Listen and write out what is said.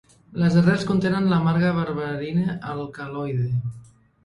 Les arrels contenen l'amarga berberina alcaloide.